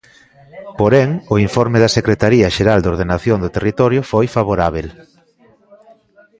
Porén, o informe da secretaría xeral de Ordenación do territorio foi favorábel.